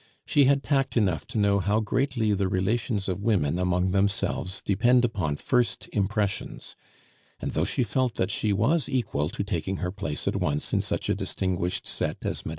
She had tact enough to know how greatly the relations of women among themselves depend upon first impressions; and though she felt that she was equal to taking her place at once in such a distinguished set as Mme.